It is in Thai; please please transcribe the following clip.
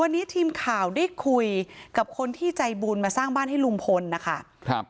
วันนี้ทีมข่าวได้คุยกับคนที่ใจบุญมาสร้างบ้านให้ลุงพลนะคะครับ